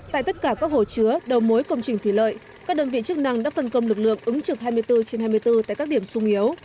tại tất cả các hồ chứa đầu mối công trình thủy lợi các đơn vị chức năng đã phân công lực lượng ứng trực hai mươi bốn trên hai mươi bốn tại các điểm sung yếu